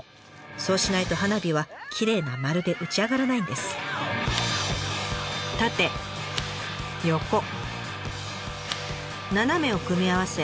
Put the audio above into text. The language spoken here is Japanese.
そうしないと花火はきれいな丸で打ち上がらないんです。を組み合わせ